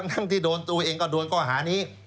ทั้งที่โดนตัวเองก็โดนข้อหานี้